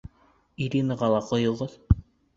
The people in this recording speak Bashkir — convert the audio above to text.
Иринаға ла ҡойоғоҙ.